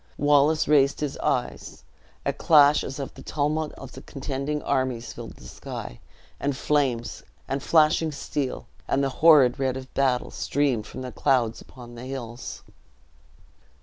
Wallace raised his eyes a clash as of the tumult of contending armies filled the sky, and flames, and flashing steel, and the horrid red of battle, streamed from the clouds upon the hills.